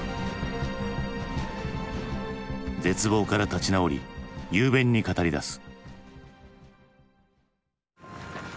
絶望から立ち直り雄弁に語りだす。